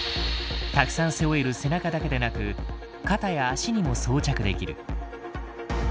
たくさん背負える背中だけでなく肩や足にも装着できる。